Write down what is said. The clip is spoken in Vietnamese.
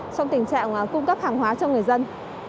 trong tình trạng cung cấp hàng hóa cho người dân